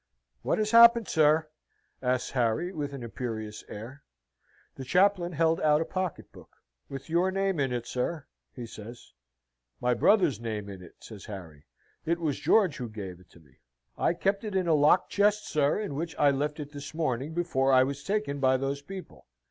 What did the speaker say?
"What has happened, sir?" says Harry, with an imperious air. The chaplain held out a pocket book. "With your name in it, sir," he said. "My brother's name in it," says Harry; "it was George who gave it to me." "I kept it in a locked chest, sir, in which I left it this morning before I was taken by those people.